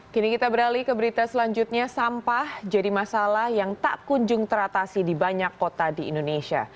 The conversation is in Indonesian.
kini kita beralih ke berita selanjutnya sampah jadi masalah yang tak kunjung teratasi di banyak kota di indonesia